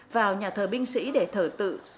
vào nhà thờ binh sĩ để thở tự